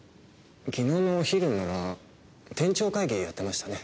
昨日のお昼なら店長会議やってましたね。